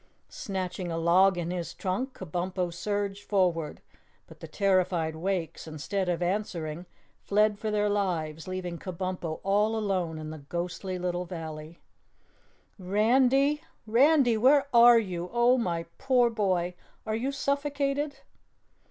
Snatching a log in his trunk, Kabumpo surged forward. But the terrified Wakes, instead of answering, fled for their lives, leaving Kabumpo all alone in the ghostly little valley. "Randy! Randy, where are you? Oh, my poor boy, are you suffocated?"